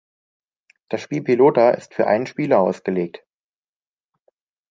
Das Spiel ""Pelota"" ist für einen Spieler ausgelegt.